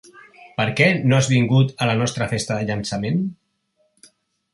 Per què no has vingut a la nostra festa de llançament?